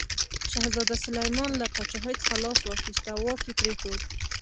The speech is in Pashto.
شهزاده سلیمان له پاچاهي څخه لاس واخیست او واک یې پرېښود.